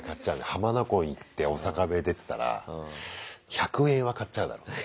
浜名湖行ってオサカベ出てたら１００円は買っちゃうだろうな。